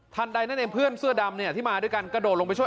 ใดนั่นเองเพื่อนเสื้อดำเนี่ยที่มาด้วยกันกระโดดลงไปช่วย